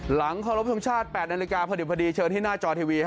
ขอรบทรงชาติ๘นาฬิกาพอดีเชิญที่หน้าจอทีวี